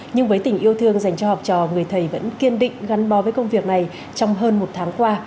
nhưng với tình yêu thương dành cho học trò người thầy vẫn kiên định gắn bó với công việc này trong hơn một tháng qua